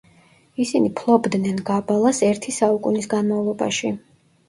ისინი ფლობდნენ გაბალას ერთი საუკუნის განმავლობაში.